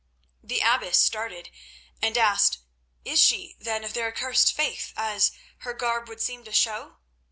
The abbess started, and asked: "Is she, then, of their accursed faith, as her garb would seem to show?"